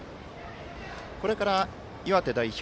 これから、岩手代表